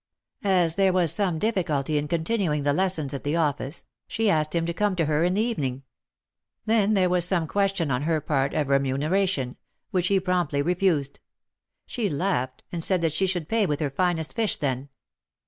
As there was some difficulty in continuing the lessons at the office, she asked him to come to her in the evening. Then there was some question on her part of remuneration, which he promptly refused. She laughed, and said that she should pay with her finest fish then.